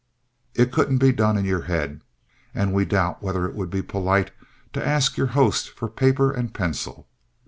It couldn't be done in your head, and we doubt whether it would be polite to ask your host for paper and pencil.